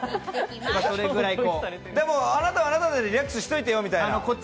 でも、あなたはあなたでリラックスしといてよっていう。